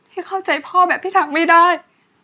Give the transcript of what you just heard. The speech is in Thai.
ที่เข้าใจพ่อแบบพี่ทั้งไม่ได้